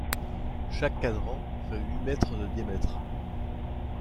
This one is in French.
Chaque cadran fait huit mètres de diamètre.